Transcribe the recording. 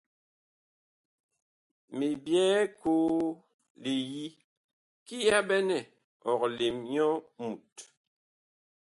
Mi byɛɛ koo li yi kiyaɓɛnɛ ɔg lem nyɔ Mut.